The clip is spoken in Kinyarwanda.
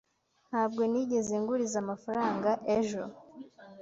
Ntabwo nigeze nguriza amafaranga ejo?